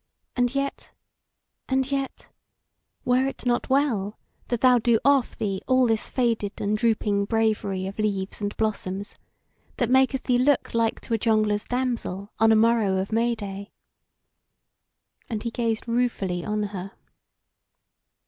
And yet ... and yet ... were it not well that thou do off thee all this faded and drooping bravery of leaves and blossoms, that maketh thee look like to a jongleur's damsel on a morrow of May day?" And he gazed ruefully on her.